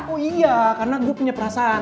oh iya karena gue punya perasaan